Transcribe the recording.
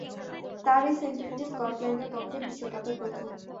তার এ সেঞ্চুরিটি স্কটল্যান্ডের পক্ষে বিশ্বকাপে প্রথম।